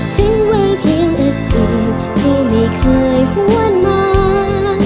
ทิ้งไว้เพียงแต่สิ่งที่ไม่เคยหวนมา